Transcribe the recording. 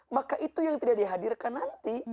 maka itu yang tidak dihadirkan nanti